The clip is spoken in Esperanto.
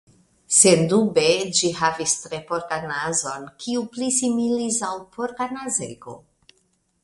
Sendube ĝi havis tre porkan nazon, kiu pli similis al porka nazego.